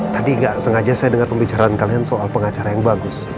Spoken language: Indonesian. tadi nggak sengaja saya dengar pembicaraan kalian soal pengacara yang bagus